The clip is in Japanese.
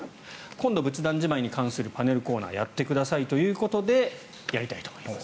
今度、仏壇じまいに関するパネルコーナーやってくださいということでやりたいと思います。